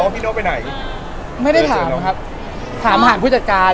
พี่เห็นไอ้เทรดเลิศเราทำไมวะไม่ลืมแล้ว